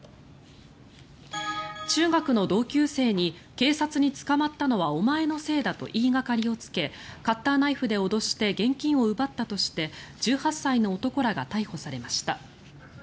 中学の同級生に警察に捕まったのはお前のせいだと言いがかりをつけカッターナイフで脅して現金を奪ったとして１８歳の男らが逮捕されました。